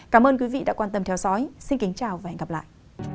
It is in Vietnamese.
cảm ơn quý vị đã quan tâm theo dõi xin kính chào và hẹn gặp lại